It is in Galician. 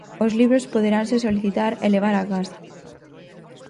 Os libros poderanse solicitar e levar á casa.